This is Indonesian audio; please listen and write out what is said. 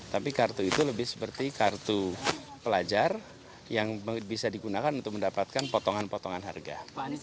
tapi kartu itu lebih seperti kartu pelajar yang bisa digunakan untuk mendapatkan potongan potongan harga